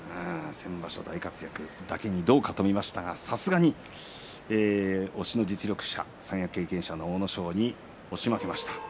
先場所大活躍だけにどうかと思いましたがさすがに押しの実力者三役経験者の阿武咲に押し負けました。